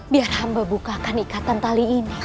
biar hamba bukakan ikatan tali ini